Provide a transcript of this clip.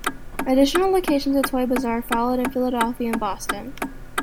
Additional locations of "Toy Bazaar" followed in Philadelphia and Boston.